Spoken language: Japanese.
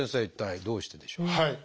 一体どうしてでしょう？